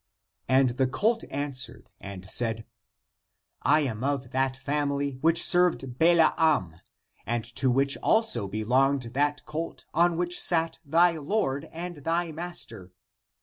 And the colt answered and said, " I am of that family which served Balaam, and to which also belonged that colt on which sat thy Lord and thy Master.